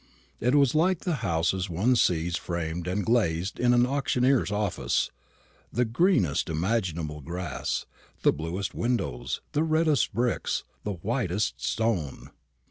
It was like the houses one sees framed and glazed in an auctioneer's office the greenest imaginable grass, the bluest windows, the reddest bricks, the whitest stone.